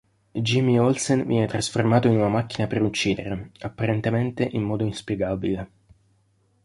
Jimmy Olsen viene trasformato in una macchina per uccidere, apparentemente in modo inspiegabile.